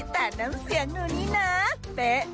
แต่น้ำเสียงหนูนี้นะเฟะทุกคำ